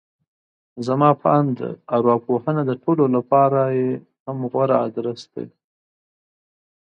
زما په اند ارواپوهنه د ټولو لپاره يې هم غوره ادرس دی.